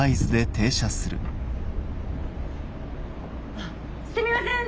あすみません！